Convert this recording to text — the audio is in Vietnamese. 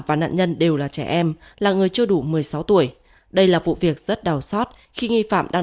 và nạn nhân đều là trẻ em là người chưa đủ một mươi sáu tuổi đây là vụ việc rất đau xót khi nghi phạm đang